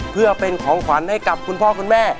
เพื่อเป็นของขวัญให้กับคุณพ่อคุณแม่